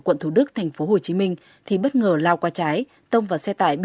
quận thủ đức tp hcm thì bất ngờ lao qua trái